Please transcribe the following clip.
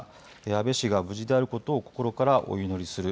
安倍氏が無事であることを心からお祈りする。